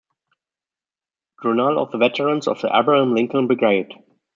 Journal of the Veterans of the Abraham Lincoln Brigade.